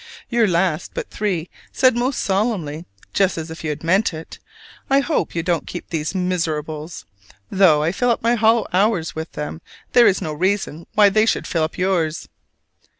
Your last but three said most solemnly, just as if you meant it, "I hope you don't keep these miserables! Though I fill up my hollow hours with them, there is no reason why they should fill up yours."